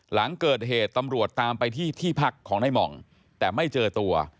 หลังเกิดเหตุตำรวจตามไปที่ที่พักของนายหม่องแต่ไม่เจอตัว